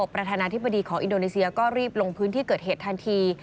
ประธานาธิบดีของอินโดนีเซียก็รีบลงพื้นที่เกิดเหตุทันที